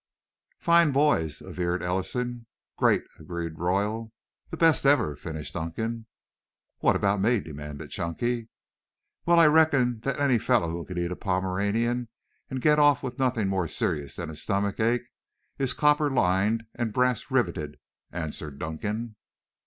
"Fine boys," averred Ellison. "Great," agreed Royal. "The best ever," finished Dunkan. "What about me?" demanded Chunky. "Well, I reckon that any fellow who can eat a Pomeranian and get off with nothing more serious than a stomach ache is copper lined and brass riveted," answered Dunkan.